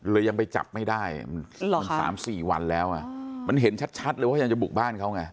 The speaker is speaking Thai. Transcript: ยังไปจับไม่ได้มัน๓๔วันแล้วมันเห็นชัดเลยว่ายังจะบุกบ้านเขาไง